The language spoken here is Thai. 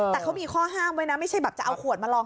แต่เขามีข้อห้ามไว้นะไม่ใช่แบบจะเอาขวดมาลอง